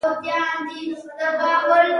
نجلۍ په دعا باور لري.